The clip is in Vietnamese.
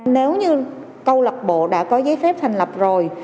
nếu như câu lạc bộ đã có giấy phép thành lập rồi